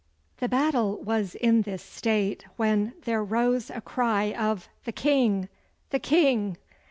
The battle was in this state when there rose a cry of 'The King, the King!